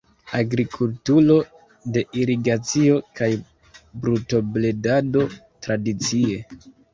Agrikulturo de irigacio kaj brutobredado tradicie.